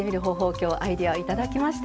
今日、アイデアいただきました。